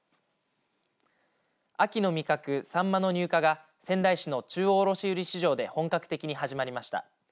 秋の味覚さんまの入荷が仙台市の中央卸売市場で本格的に始まりました。